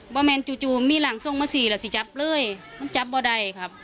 แมนจู่จู่มีหลังส่งมาสี่แล้วสิจับเลยมันจับบ่ได้ครับ